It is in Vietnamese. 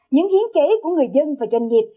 những hiến kế của người dân và doanh nghiệp